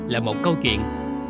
là một câu chuyện